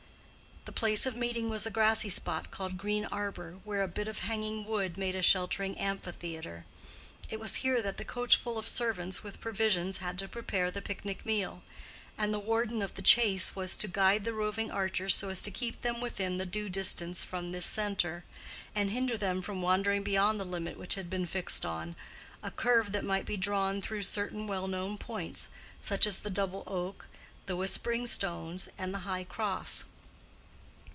The place of meeting was a grassy spot called Green Arbor, where a bit of hanging wood made a sheltering amphitheatre. It was here that the coachful of servants with provisions had to prepare the picnic meal; and the warden of the Chase was to guide the roving archers so as to keep them within the due distance from this centre, and hinder them from wandering beyond the limit which had been fixed on—a curve that might be drawn through certain well known points, such as the double Oak, the Whispering Stones, and the High Cross.